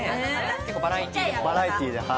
バラエティーで。